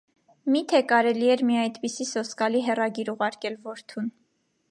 Մի՞թե կարելի էր մի այդպիսի սոսկալի հեռագիր ուղարկել որդուն…